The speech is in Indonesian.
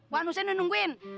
wan huseen lu nungguin